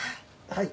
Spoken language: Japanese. はい。